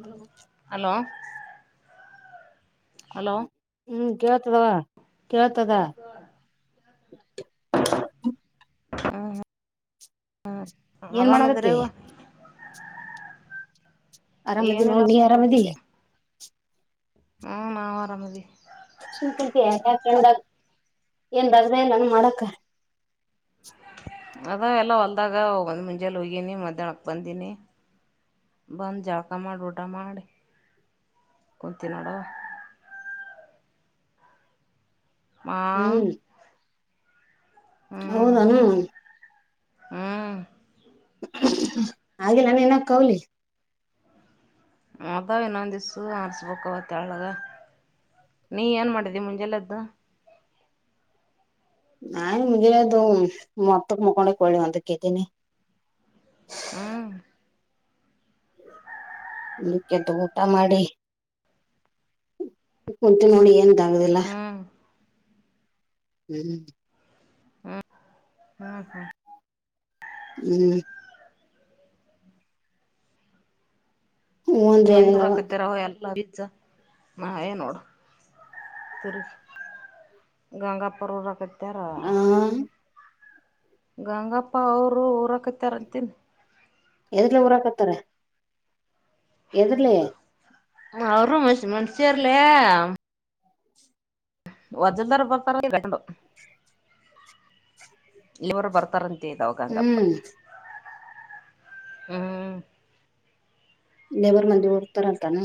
Hello hello hello ಹ್ಮ್ ಕೇಳ್ತದ ಕೇಳ್ತದ ಹ ಹಾ ಹಾ ಹ್ಮ ಏನ್ ಮಾಡಕತ್ತಿ ಆರಾಮ್ಇದ್ರೆಯವ್ವ ಆರಾಮದಿ ಏನಿಲ್ಲ ನೋಡ್ ನೀ ಆರಾಮದಿ [inaudible] ಹಾ ನಾ ಆರಾಮದವಿ ಸುಮ್ ಕುಂತಿ ಯಾಕಂದಾಗ ಏನ್ ರಜನೆ ನಾನು ಮಾಡಕ್ಕರ್ ಅದ ಎಲ್ಲ ಹೊಲ್ದಾಗ ಒಂದು ಮುಂಜಾಲ ಹೋಗನಿ ಮಧ್ಯಾಹ್ನಕ್ಕೆ ಬಂದೀನಿ ಬಂದು ಜಳ್ಕ ಮಾಡಿ ಊಟ ಮಾಡಿ ಕುಂತ ನೋಡ ಹ ಹೌದಾ ಹ್ಮ ಹ್ಮ ಹಾಗಿಲ್ಲಾನ ನ ಅವ್ಲಿ ಅದಾವ್ ಇನ್ನೊಂದ್ ದಿಸ್ಸು ಆರ್ಸ್ಬೇಕಕ್ವತ್ತ ತೆಳಗ ನೀ ಏನ್ ಮಾಡಿದಿ ಮುಂಜಾಲೆದ್ದು ನಾಯ ಮುಗ ತ ಮತ್ತ ಕೊಂಡೆ ಕಳ ಹಂತ ಕ ದಿನಿ ಹಾ ಮುಕ್ಕೆದ್ದು ಊಟ ಮಾಡಿ ಕುಂತ ನೋಡಿ ಎಂತ ಹಾ ಹ್ಮ್ ಹ್ಮ ಹ್ಮ ಹಾ ಹ್ಮ್ ಹ್ಮ ಅಂದ್ರೆ ದೂರ ಏನಿಲ್ಲವ ಹಾಕತ್ತಾರ ಎಲ್ಲ ನಾಯೇ ನೋಡು ತಿರ್ಗ ಗಂಗಾಪರ್ರಕತಿ ಹ್ಮ ಗಂಗಪ್ಪ ಅವರು ಊರಕ್ಕ ಕುತ್ತರ್ ಅತ್ತಿಲ್ ಎದಲ [unintelligible] ಊರಾಕತ್ತರ? ಎದುರ್ಲೆ ಅವರು ಮನಶ್ ಮನಶರ್ಲ್ಯೆ? ವಜ್ರದಾರ ಬರ್ತಾರ [unintelligible] ಇವರು ಬರ್ತಾರಂತ [unintelligible] ದೌ [unintelligible] ಗಂಗಪ್ಪ ಹ್ಮ್ ಹ್ಮ್ ಲೇಬರ್ ಮಂದಿ ಓಡ್ತಾರಂತಾನ.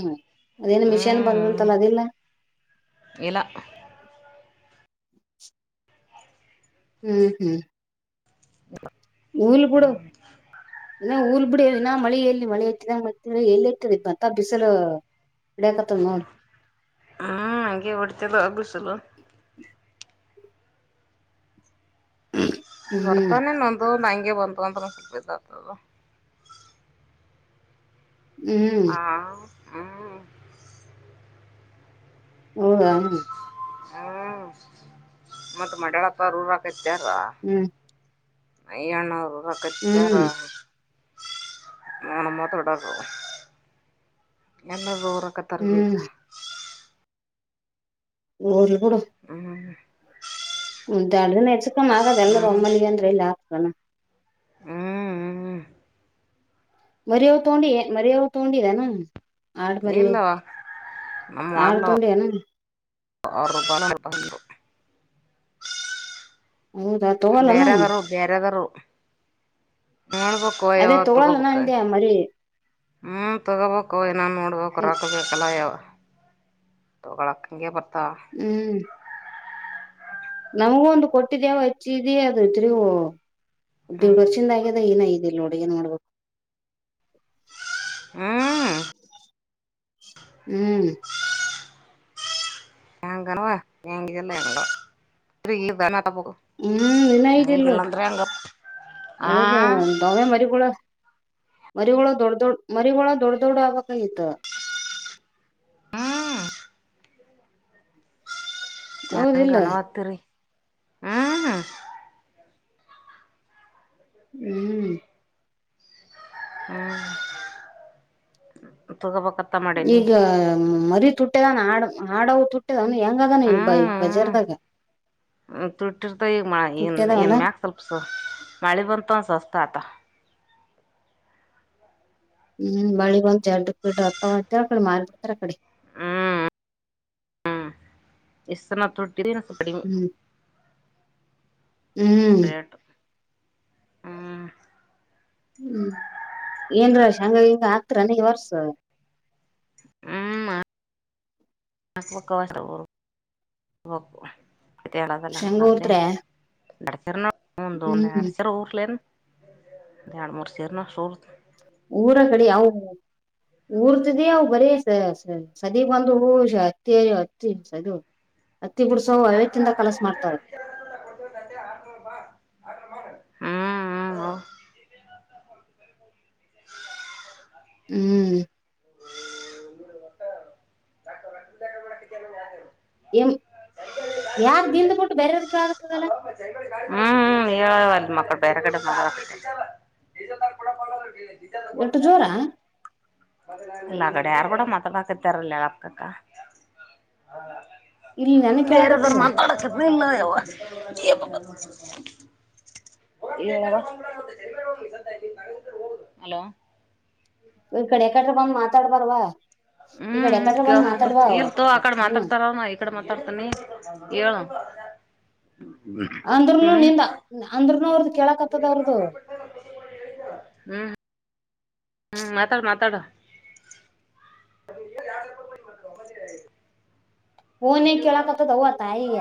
ಅದೇನ್ ಮಿಷನ್ ಬಂದದಂತಲ್ಲ, ಅದೆಲ್ಲ? ಇಲ ಹ್ಮ್ ಹ್ಮ್ ಹ್ಮ [unintelligible] ಊಲ್ ಗುಡು. ಇನ ಊಲ್ ಬಿಡಿ ಇನ ಮಳೆ ಎಲ್ಲಿ? ಮಳೆ ಇತ್ತಿದ ಮತ್ತ ಎಲ್ಲಿ ಇತದೆ ಮತ್ತಾ ಬಿಸಲು ಹಾ, ಹಾಗೆ ಹೊಡೆತದು ಆ ಬಿಸ್ [unintelligible] ಲ [unintelligible] [inaudible] ಹ್ಮ್ ಬರ್ತಾನ ನೊಂದು ನಾಯ [unintelligible] [unintelligible] ಹ್ಮ್ ಆ ಹ್ಮ್ ಹೋದ? ಹ್ಮ್ ಮತ್ ಮಡಳಪ್ಪ [unintelligible] ಹಾಕೈತಿ ಕೇಂದ್ರ ಹ್ಮ್ ಐ ಅಣ್ಣಾವ್ರು ಹ್ಮ್ [unintelligible] ನಾನು ಮಾತಾಡೋದು ನಲ್ಲ ರೋ [unintelligible] ವಕತ್ತಾರ ವೇಜ ಹ್ಮ್ ಹೌದು [unintelligible] ಹ್ಮ [unintelligible] ಹ ದಾಳ ನಯ [unintelligible] ಮ [unintelligible] ಆಗದೆಲ್ಲರು ಒಮ್ಮಲ್ಲಿಗೆ ಅಂದ್ರೆ ಇಲ್ಲ. ಚಲ್ಲ [unintelligible] ಹ್ಮ್ ಹ್ಮ್ ಮರಿ ಅವ್ ತಗೊಂಡಿ ಏನ್ ಮರಿ ಅವ್ ತಗೊಂಡಿಏನ್? ಆಡು ಮರಿ ಅವ್, ಇಲ್ಲವ ಆಡ್ ತೊಂಡನ [unintelligible] ಆರುಪಾನಂದರು [unintelligible] ಹೌದಾ ತಗಲ್ಲಲ್ಲ [unintelligible] ಬೇರೆದವರು ನೋಡ್ಬೇಕು ಅದೇ ಯಾವ ತಗೊಳಲ್ಲನ, ತಗೋಬೇಕ ಅಂಧ್ಯವ್ ಮಳ್ಳಿ ಹ್ಮ್ ತಗೊಬೇಕವ ನಾವ್ ನೋಡ್ಬೇಕ ಹ್ಮ್ ರೊಕ್ಬೇಕಲ್ಲ ಯವ್ವ ತಗೊಳಕ ಹಂಗೆ ಬರ್ ಹ್ಮ್ ನಮ್ಗೂ ಒಂದು ಕೊಟ್ಟಿದ್ದ್ಯಾವ ಹೆಚ್ಚಿದಿ ಅದ ತ್ರಿವ್ ಹ್ಮ್ ದೇವ್ಗರ್ ಚಿಂದಾಗಿಂದೈ ಇಲ್ ನುಡುಗನ್ ಮಾಡ್ಬೇಕು ಹ್ಮ್ ಹ್ಮ್ ಹಂಗನ [unintelligible] ಹ್ಮ್ ನಿನ ಇದ್ದಿಲ್ಲು ಹೆಂಗ ಆ ಒದ ದಮೆ ಮರಿಗೂಳ ಮರಿಗೊಳ ದೊಡ್ಡ ದೊಡ್ ಮರಿಗೊಳ ದೊಡ್ಡ ದೊಡ್ಡ ಆಗ್ಬೇಕಿತ್ತು ಹಾ ಚ ಹೌದಿಲ್ಲ ಗನವಾತರಿ ಹಾ ಹ್ಮ್ ಹ್ಮ್ ತಗೊಬೇಕ ಈಗ ಮರಿ ತುಟ್ಟಿ ಆಗನ ಆಡ್ ಹಾಡ ತುಟ್ಟೆ ಹ್ಮ್ ತುಟ್ಟಿರ್ತ ಈಗ ನ್ ಏನ್ ತುಟ್ಟಿದಾವಲ್ಲ ಮ್ಯಾಕ್ ಸ್ವಲ್ಪ ಮಳೆ ಬಂತ ಒಂದ ಸ್ವಸ್ತ ಆತ. ಹ್ಮ್ ಬಳಿಗ್ ಒಂದುಡ್ ಬಿಡ್ ಹತ್ತತ ಆ ಕಡೆ ಮಿಬಿಡ್ತಾರ ಆ ಕಡೆ ಹ್ಮ ಎಸ್ತಾನ ತುಡ್ [unintelligible] ಹ್ಮ್ ಹ್ಮ್. ಹ್ಮ್ ಹ್ಮ್ ಏನ್ರಷ ಹಂಗ ಹಿಂಗ ಹತ್ರನ ವರ್ಸ ಹ್ಮು ಮಾಡ್ [unintelligible] ಶೇಂಗ ತೇಳದಲ್ಲಂಗಲ್ಲೇ ಊರ್ತ್ರ ದಾಡ್ ತರ್ನ ಹಂದುಡ ಹ್ಮ್ ಸರ ಊರ್ಲೆನು ಎರ್ಡ್ ಮೂರ್ ಸೇಲ್ನ ಸೂಲ್ ಊರ ಕಡೆ ಯ ಯಾವ್ ಊರ್ತದೇ ಅವ್ ಬರೆಸ ಸದೀಪ್ ಬಂದು ಹಷ ಹತ್ತಿ ಹತ್ತಿ ಸದು ಹತ್ತಿ ಬುಡ್ಸ ಅಐತ್ತಿಂದ ಕಲಸ ಮಾಡ್ತಾರೆ ಹ್ಮ ಹ್ಮ ಹ್ಮ [unintelligible] ಹ್ಮ್ ಒನ್ನೂರು ವಟ್ಟ ಳ ಅದಿಕ್ಕೆಲ್ಲ ಯಾರು ಎಂ ಯಾರ್ ದಿಂದ ಬಿಟ್ಟು ಬೇರೆದಕ್ಕೆ ಕೇಳಕ್ ಆಗುತ್ತದಲ್ಲ ಲ್ಲ ಮಕ್ಕಳು ಬೇರೆ ಕಡೆ ಮ [unintelligible] ಎಟ್ಟು ಜೋರಾ ಇಲ್ಲ ಕಡೆ ಯಾರು ಕೂಡ ಮತ ಬಾಕತ್ತಾರಲ್ಲಕ್ಕಕ್ಕ ಹಾ ಇಲ್ಲಿ ನನಗ್ ಬೇರೆದ್ರು ಕೇಳಾಕತ್ತದ ಮಾತಾಡಕ ಇಲ್ಲ ಯವ್ವ [unintelligible] ಹಲೋ ಈ ಕಡೆ ಕಡ್ರ ಬಂದ್ ಮಾತಾಡ್ಬಾರವಾ ಹ್ಮ್ ಹ್ಮ ಕೇಳ್ತತ್ ಇಲ್ತು ಆಕಡೆ ಏನ ಮಾತಾಡ್ತಾರ ನ ಈ ಕಡೆ ಮಾತಾಡ್ತನಿ ಹೇಳು ಅಂದ್ರನು ಹ್ಮ್ ನಿಂದ ಅಂದ್ರನು ಅವ್ರದ್ ಕೆಳಕತ್ತದ ಅವ್ರದು ಹ್ಮ್ ಹ್ಮ್ ಮಾತಾಡ್ ಮಾತಾಡ [unintelligible] ಹುನೇ ಕೇಳಕತದ ಅವ್ವ ತಾಯಿಯ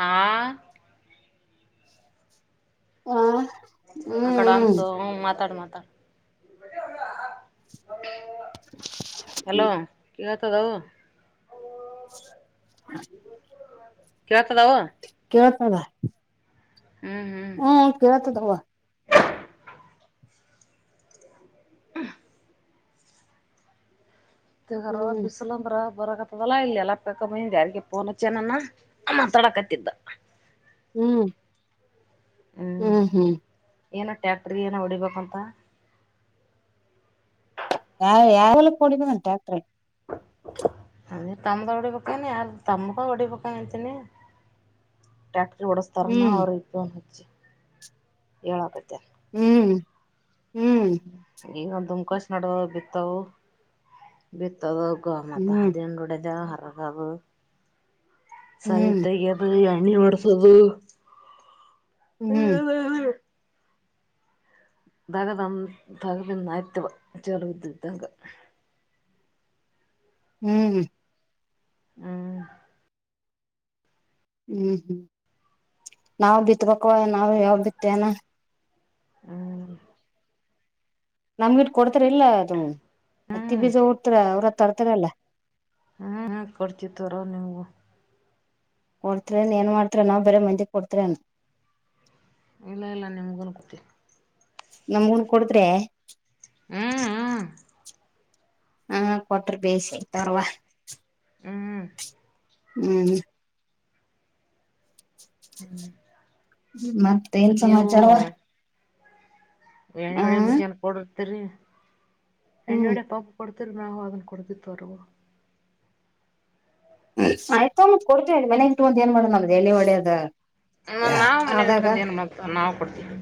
ಆ ಹಾ ಆ ಕಡ ಅಂತು ಹು ಮಾತಾಡ್ ಮಾತಡ್ [unintelligible] [unintelligible] ಹಲೋ ಇವ್ ಹದು ಓ ಕೇಳ್ತದವು ಹದ ಹ್ಮ್ ಕಳ್ತದವಾ ಹ್ಮ್ ದ ಹರಾ ಹ್ಮ್ ಬಿಸಿಲಂದ್ರ ಬರಕತ್ತದಲ್ಲಾ ಇಲ್ಲ ಎಲ್ಲ ಪಕ ಮನ್ ಯಾರಿಗೆ ಪೋನ ಚೆನನ್ನ ಮಾತಾಡಕತ್ತಿದ್ದ ಹ್ಮ್ ಹ್ಮ್ ಹ್ಮ್ ಏನೋ ಟ್ಯಾಕ್ಟ್ರಗೆ ಏನೋ ಹೊಡಿಬೇಕಂತ ಯಾವ ಯಾವೆಲ್ಲ ಕೊಡಿದಂಟ ಅ ತಮ್ಮ ತ ಒಡಿ ಪಕನ ಆ ತಮ್ಮಕ ಒಡಿ ಕಂತೀನಿ ಟ ಓಡಿಸ್ತಾರ್ನ ಹ್ಮ್ ಅವ್ರಿಗೆ ಹೇಳಕತ್ತ ಹ್ಮ್ ಹ್ಮ್ ಈಗ ದುಮ್ಕಾಸ್ ನಡುವ ಬಿತ್ತವು ಬಿತ್ ತಗೋ ಹೋಗೋ ಮತ್ತೆ ಹ್ಮ್ ಅದೇನು ನೋಡದೆ ಅಗು ಹ್ಮ್ ಸಂತೆಗೆಬುರ್ಯಳ್ ಗುಣಿ ಹೊಡ್ಸೋದು [inaudible] ಹ್ಮ ಹ್ಮ್ ದಗದ ತಗದಿಂದ ಆಯ್ತವ ಚಲ ಇದ್ದ್ದಗ [inaudible] ಹ್ಮ್ ಹ್ಮ್ ಹ್ಮ್ ಹ್ಮ್ ನಾವ್ ಬಿತ್ಬೇಕು ನಾವ್ ಯಾವ ಬಿತ್ತೇನ. ಹ್ಮ್ ನಮ್ಗಿಟ್ ಕೊಡ್ತಾರ ಇಲ್ಲ ಅದು ಅತ್ತ ಹ್ಮ್ ಬೀಜ ಟ್ರ ಅವ್ರ ತರ್ ತಿರಲ್ಲೇ [unintelligible] ಹ್ಮ್ ಹ ಕೊಡ್ತಿತ್ತರ ನಿಮ್ಗೂ [inaudible] ಕೊಡ್ತ್ರನ್ ಏನ್ ಮಾಡ್ತರ ನಾವ್ ಬರ ಮಂದಿ ಕೊಡ್ತರನ್ ಇಲ್ಲ ಇಲ್ಲ ನಿಮ್ಗೂ ಕೂತಿ ನಮ್ಗೂನ್ ಕೊಡದ್ರೆ ಹ್ಮ್ ಹ್ಮ್ ಹಾ ಕೊಟ್ರ ಬೇಯಿಸಿತವರ್ವ ಹ್ಮ್ ಹ್ಮ್ ಮತ್ತೇನ್ ಸಮಾಚಾರ ಬೇಳುಳ್ಳಿ ಮಿಷೀನ್ ಕೊಡು ತರಿ ಹ್ಮ್ ಎಣ್ಣೋಡೆ ಪಂಪ್ ತಿರ್ ನಾಾಗವು ಅನ್ನು ಕೊತ ತರ್ವೋ [inaudible] ಆಯ್ತತ್ ಕೊಡ್ತ ಮನೆ ಇಟ್ಟು ಒಂತ ಏನ್ ಮಾಡ ನಮ್ದು ಎಲ್ಲಿ ಒಡೆಯದ ದ್ ನಾವ್ ಮನೆಗ್ ಇಟ್ಕೊಂಡ ಏನ್ ಮಾಡತ ನಾವು ಕೊಡ್ತೀವಿ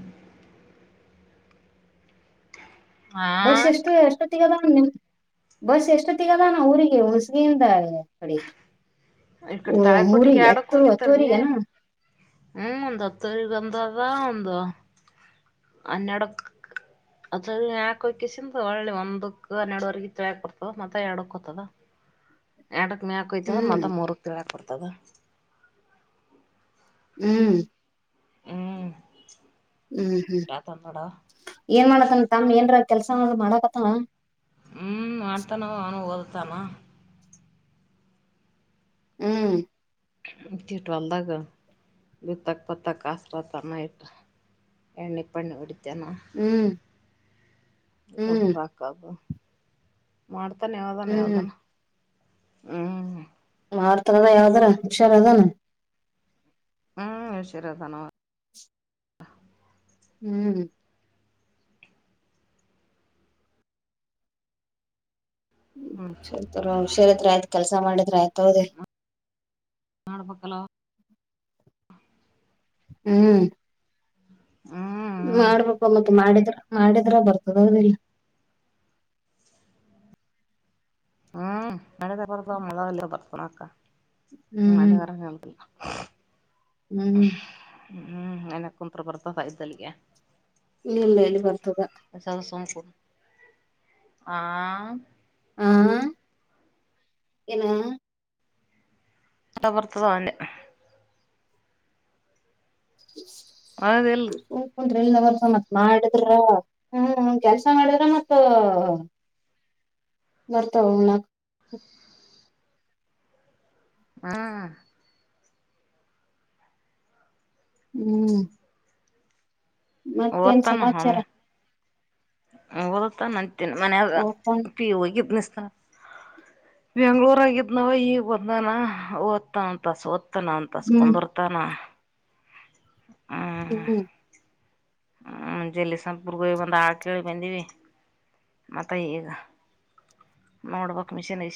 ಹಾ ಬಸ್ ಎಷ್ಟು ಏಷ್ಟತು ತಗದ ನಿಮ ಬಸ್ ಎಷ್ಟು ತಗದಾನ ಊರಿಗೆ ಹೊಸಿಗೆಯಿಂದ ಕಡೆ ಈ ಕಡೆ ತಾಳೆಕೋಟ್ಟಿಗೆ ಊರಿಗೆ ಯಡಕ್ ಹತ್ತು ಹೋಗಿತ್ತಾರ ನೀ ಹತ್ತುವರಿಗೆನ ಹ್ಮ್ ಹತ್ತರಿ ಹಂ ದಾದ ಹಂದು ಹನ್ನೆರಡಕ್ ಅದ್ರ ಯಾಕಕಸಿಂದ ಒಳ್ಳೆ ಒಂದಕ್ಕ ಹನ್ನೆರಡವರೆಗ ಇತ್ ಯಾಕ ಕೊಡ್ತದ ಮತ್ತ ಎರಡಕ್ ಹತದ ಎಡಕ್ ಮ್ಯಾಕಯ್ತದ ಹ್ಮ್ ಮತ್ತ ಮ ಮುರುಕ್ ತಿಳಾಕ ಕೊ. ತ್ತದ ಹ್ಮ್ ಹ್ಮ್ ಹ್ಮ್ ಹ್ಮ್ ಇಟಾತನ ನೋಡ ಏನ್ಮಾನ ತನ್ನು ತಾ ಏನ್ ರ ಕೆಲ್ಸ ಮಾಡಕತ್ತ ಹ್ಮ್ ಮಾಡ್ತ ನಾವ್ ಅವಾನ ಹೋದ ಸಮಯ ಹ್ಮ್ ಬಿತ್ತಿಟ್ ಹೊಲ್ದಾಗ ಬಿತ್ತಕ್ ಪತ್ತಕ್ ಆಸ್ರ ತನ ಇಟ್ಟ ಎಣ್ಣೆ ಪಣ್ಣೆ ಹೊಡಿತ ಜನ ಹ್ಮ್ ಹ್ಮ್ ಗಬ್ರಕಬ ಮಾಡ್ತ ಧನ್ಯವಾದ ಹ್ಮ್ ಧನ್ಯವಾದನ ಹ್ಮ್ ಮಾಡ್ತಾರದ ಯಾವದ್ರ ಹುಷಾರ ಅದಾನ ಹ್ಮ್ ಸರಿಯ ತಾನ ಹ್ಮ್ ಹ್ಮ್ ಸರಿ ಹುಷಾರತ್ರ ಆಯ್ತ್ ಕೆಲ್ಸ ಮಾಡ ಆಯ್ತೋ ರಿ ನಾಡು ಪಕ್ಕಲ್ಲ ಹ್ಮ್ ಹ್ಮ ಮಾಡ್ಬೇಕು ಮತ್ತೆ ಮಾಡಿದ್ರ ಮಾಡಿದ್ರ ಬರ್ತದ ಓದಿಲ್ಲ ಹ್ಮ್ ಮಾಡಿದ್ರೆ ಬರುತ್ತ ಮಾಡಲಿಕ್ ಏನು ಬರುತ್ತ ಎನಾಕ ಹ್ಮ್ ಮಾಡಿದರೆ ಡ ತರ [unintelligible] ಹ್ಮ್ ಹ್ಮ್ ನ ಕುಂತ್ತ್ರ ಬರ್ತತ ಇಸಲಿ ಗೆ ಇಲ್ಲ ಇಲ್ಲ ಇಲ್ಲಿ ಬರ್ತದ ಸುಮ್ ಕುಂತ್ ಆ ಹ ಏನ ಕಡಪುರತದ ಅವೆ ಹದ ಎಲ್ಲ ಬರ್ತವ ಮತ್ ಮಾಡಿದ್ರ ಹ್ಮ ಕೆಲ್ಸ ಮಾಡಿದ್ರ ಮತ್ ಬರ್ತಾವ ಉಣ್ಣೋಕೆ ಹ್ಮ್ ಹ್ಮ್ ಮತ್ತೇನ್ ಸಮಾಚಾರ ಓದುತ್ತಾನೆ ಮನೆಗ ಓಪನ್ ಪಿ ಹೋಗಿ ಪ್ರೆಸ್ ಹ ಬೆಂಗಳೂರುರಾಗಿದ ನ ಈಗ ಬಂದಾನ ಓದ್ತ ಅಂತ ಸ ತಾನ ಹ್ಮ್ ಅಂತಸ್ಕೊಂಡರ್ತಾನ ಹ್ಮ್ ಹಾ ಅಂಜಲ್ಲಿ ಸ್ವಪುರ್ಗ [unintelligible] ಬಂದೀವಿ ಮತ್ತ ಈಗ ನೋಡ್ಬಕ್ ಮಿಷನ್ ಇ